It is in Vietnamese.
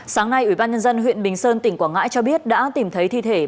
sáng nay ủy ban nhân dân huyện bình sơn tỉnh quảng ngãi cho biết đã tìm thấy thi thể